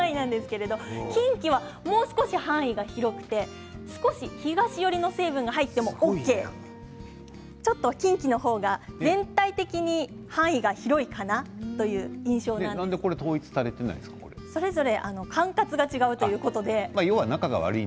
近畿はもう少し範囲が広くて少し東寄りの成分が入ってもＯＫちょっと天気のほうが全体的に範囲が広いかなというなんで、これはそれぞれ管轄が違うということで。